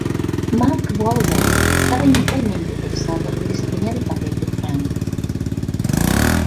Mark Wahlberg estaba inicialmente interesado en desempeñar el papel de Frank.